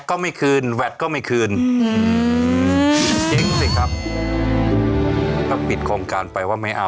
ก็ไม่คืนแวดก็ไม่คืนอืมทิ้งสิครับก็ปิดโครงการไปว่าไม่เอา